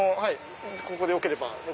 ここでよければ。